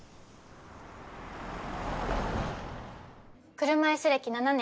車椅子歴７年。